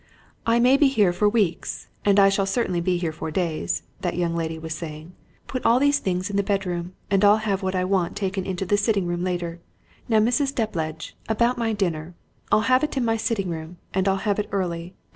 "I may be here for weeks, and I shall certainly be here for days," that young lady was saying. "Put all these things in the bedroom, and I'll have what I want taken into the sitting room later. Now, Mrs. Depledge, about my dinner. I'll have it in my sitting room, and I'll have it early.